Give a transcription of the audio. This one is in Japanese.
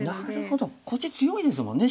こっち強いですもんね